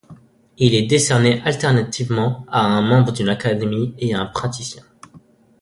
Il est décerné alternativement à un membre d'une académie et à un praticien.